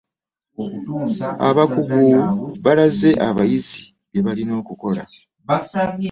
Abakugu balaze abayizi bye balina okukola.